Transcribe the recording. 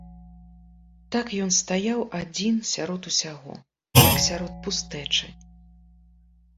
Так ён стаяў адзін сярод усяго, як сярод пустэчы.